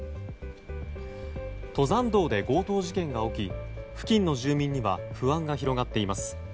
登山道で強盗事件が起き付近の住民には不安が広がっています。